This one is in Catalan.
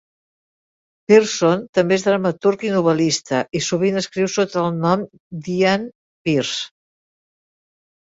Pierson també és dramaturg i novel·lista, i sovint escriu sota el nom d'Ian Pierce.